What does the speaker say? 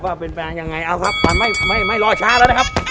ว่าเป็นแฟนยังไงเอาครับไม่รอช้าแล้วนะครับ